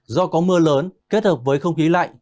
do có mưa lớn kết hợp với không khí lạnh